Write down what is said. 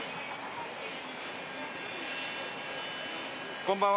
こんばんは。